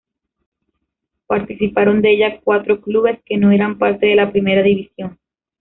Participaron de ella cuatro clubes que no eran parte de la Primera División.